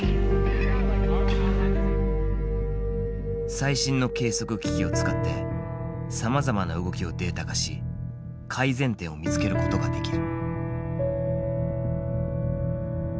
最新の計測機器を使ってさまざまな動きをデータ化し改善点を見つけることができる。